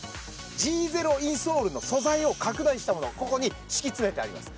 Ｇゼロインソールの素材を拡大したものをここに敷き詰めてあります。